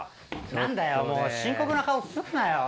なんだよ、もう、深刻な顔すんなよ。